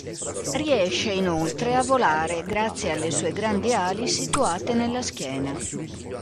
Riesce inoltre a volare, grazie alle sue grandi ali situate nella schiena.